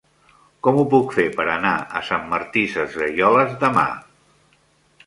Com ho puc fer per anar a Sant Martí Sesgueioles demà?